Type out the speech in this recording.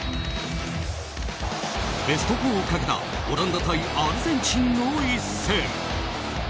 ベスト４をかけたオランダ対アルゼンチンの一戦。